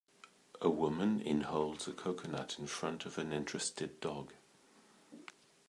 A woman in holds a coconut in front of an interested dog.